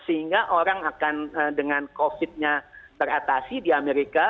sehingga orang akan dengan covid nya teratasi di amerika